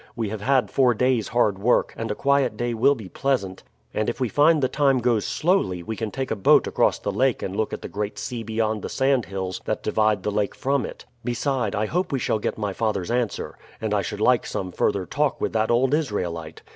We have had four days' hard work, and a quiet day will be pleasant, and if we find the time goes slowly, we can take a boat across the lake and look at the Great Sea beyond the sandhills that divide the lake from it; beside, I hope we shall get my father's answer, and I should like some further talk with that old Israelite.